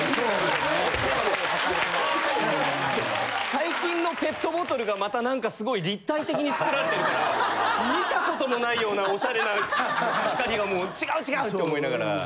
最近のペットボトルがまたすごい立体的に作られてるから見たこともないようなオシャレな光がもう違う違うって思いながら。